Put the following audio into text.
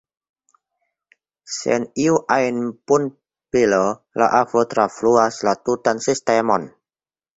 Sen iu ajn pumpilo la akvo trafluas la tutan sistemon.